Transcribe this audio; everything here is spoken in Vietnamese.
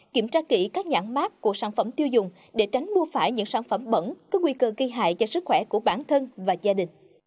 kiểm tra kỹ các nhãn mát của sản phẩm tiêu dùng để tránh mua phải những sản phẩm bẩn có nguy cơ gây hại cho sức khỏe của bản thân và gia đình